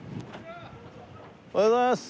おはようございます。